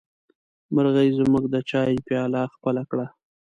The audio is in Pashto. مرغۍ زموږ د چايه پياله خپله کړه.